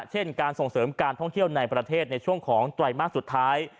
เช่นการส่งเสริมการท่องเที่ยวในประเทศในช่วงของไตรมาสสุดท้าย